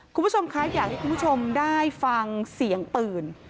คุณผู้ชมคะอยากให้คุณผู้ชมได้ฟังเสียงปืน